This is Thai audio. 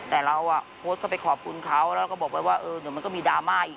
แต่เราโพสต์เข้าไปขอบคุณเขาแล้วก็บอกว่ามันก็มีดราม่าอีก